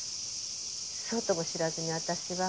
そうとも知らずに私は。